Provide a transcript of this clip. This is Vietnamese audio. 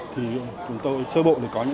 thì chúng tôi sơ bộ có những giải pháp